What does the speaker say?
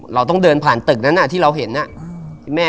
เราต้องเดินผ่านตึกนั้นที่เราเห็นแม่